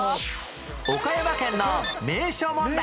岡山県の名所問題